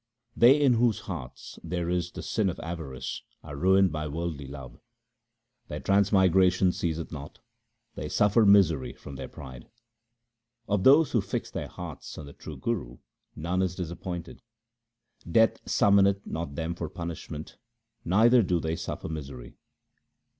They in whose hearts there is the sin of avarice are ruined by worldly love ; SIKH. 11 P 2io THE SIKH RELIGION Their transmigration ceaseth not ; they surfer misery from their pride. Of those who fix their hearts on the true Guru none is disappointed. Death summoneth not them for punishment, neither do they suffer misery.